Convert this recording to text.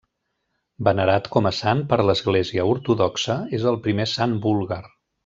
Venerat com a sant per l'Església ortodoxa, és el primer sant búlgar.